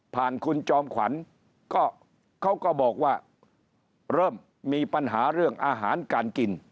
คุณจอมขวัญก็เขาก็บอกว่าเริ่มมีปัญหาเรื่องอาหารการกิน